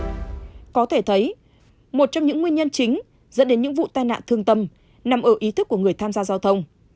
có thể thấy một trong những nguyên nhân chính dẫn đến những vụ tai nạn thương tâm nằm ở ý thức của người tham gia giao thông